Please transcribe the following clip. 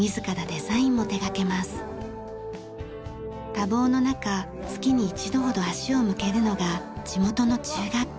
多忙の中月に１度ほど足を向けるのが地元の中学校。